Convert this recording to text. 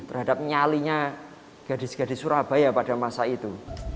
terhadap nyalinya gadis gadis surabaya pada masa itu